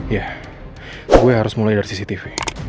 ya gue harus mulai dari cctv